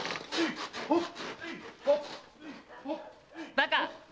バカ！